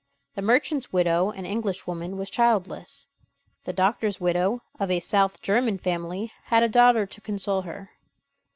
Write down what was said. The merchant's widow (an Englishwoman) was childless. The doctor's widow (of a South German family) had a daughter to console her.